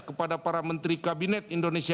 kepada para menteri kabinet indonesia